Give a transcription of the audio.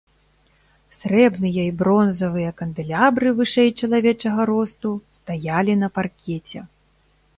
Срэбныя і бронзавыя кандэлябры вышэй чалавечага росту стаялі на паркеце.